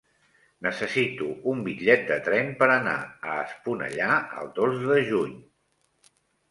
Necessito un bitllet de tren per anar a Esponellà el dos de juny.